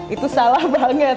itu salah banget